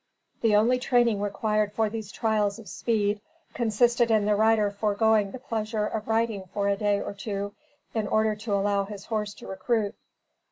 The only training required for these trials of speed, consisted in the rider foregoing the pleasure of riding for a day or two, in order to allow his horse to recruit.